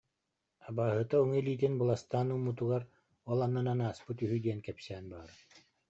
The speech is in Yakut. Абааһыта уҥа илиитин быластаан ууммутугар, ол аннынан ааспыт үһү диэн кэпсээн баара